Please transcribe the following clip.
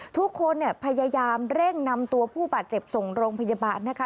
ทุกคนเนี่ยพยายามเร่งนำตัวผู้บาดเจ็บส่งโรงพยาบาลนะคะ